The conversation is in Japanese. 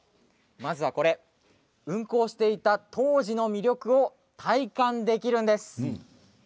まずはこれ運行していた当時の魅力を体感できるんです。